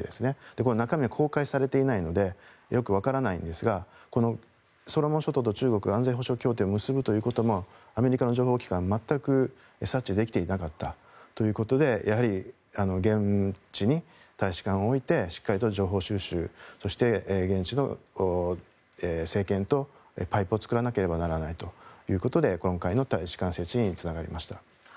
これは中身は公開されていないのでよくわからないですがソロモン諸島と中国が安全保障協定を結ぶということもアメリカの情報機関は全く察知できていなかったということで現地に大使館を置いてしっかりと情報収集そして現地の政権とパイプを作らなければならないと今回の大使館設置につながりました。